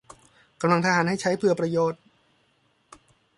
กำลังทหารให้ใช้เพื่อประโยชน์